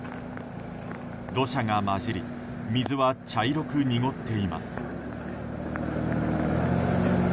土砂が混じり水は茶色く濁っています。